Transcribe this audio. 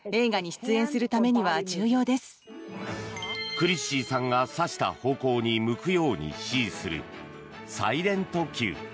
クリッシーさんが指した方向に向くように指示するサイレントキュー。